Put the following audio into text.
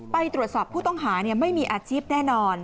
ไปตรวจสอบผู้ต้องหาไม่มีอาชีพแน่นอน